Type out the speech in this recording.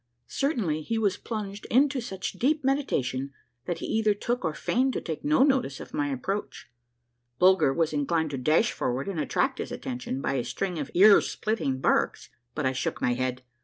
Certainly he was plunged into such deep meditation that he either took or feigned to take no notice of my approach. Bulger was in clined to dash forward and attract his attention by a string of ear splitting barks, but I shook my head.